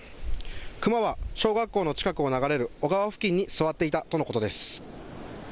クマは小学校の近くを流れる小川付近に座っていたとのことです。